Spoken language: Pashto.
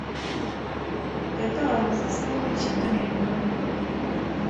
که دا آوازه سمه وي چنداني احتمال نه لري.